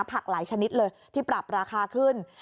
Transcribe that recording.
หลายชนิดเลยที่ปรับราคาขึ้น